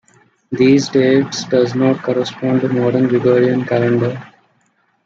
These dates does not correspond to the modern Gregorian calendar.